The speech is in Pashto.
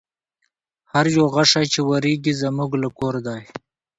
هر یو غشی چي واریږي زموږ له کور دی